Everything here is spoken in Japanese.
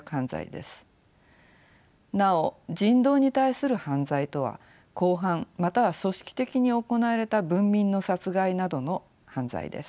なお人道に対する犯罪とは広範または組織的に行われた文民の殺害などの犯罪です。